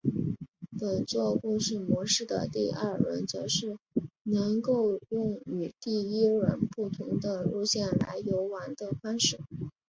本作故事模式的第二轮则是能够用与第一轮不同的路线来游玩的方式。